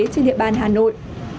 trên địa bàn hà nội